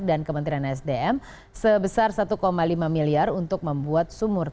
dan kementerian sdm sebesar satu lima miliar untuk membuat sumur